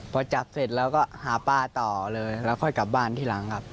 พอจับเสร็จแล้วก็หาป้าต่อเลยแล้วค่อยกลับบ้านทีหลังครับ